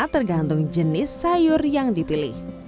tergantung jenis sayur yang dipilih